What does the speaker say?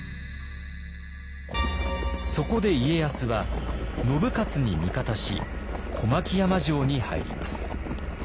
そこで家康は信雄に味方し小牧山城に入ります。